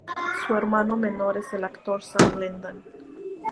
Su hermano menor es el actor Sam Lyndon.